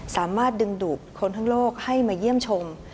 สามารถดึงดูดคนทั้งโลกให้มาเยี่ยมชม